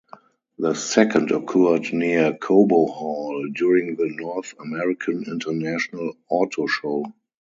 The second occurred near Cobo Hall during the North American International Auto Show.